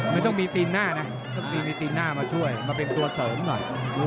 มันต้องมีตีนหน้านะต้องมีตีนหน้ามาช่วยมาเป็นตัวเสริมหน่อย